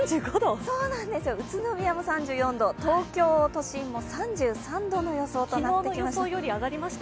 宇都宮も３４度、東京都心も３３度の予想となっています。